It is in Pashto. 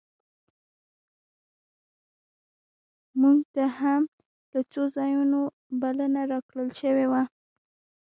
مونږ ته هم له څو ځایونو بلنه راکړل شوې وه.